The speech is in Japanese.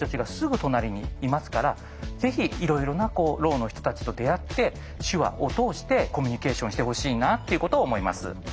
ぜひいろいろなろうの人たちと出会って手話を通してコミュニケーションしてほしいなっていうことを思います。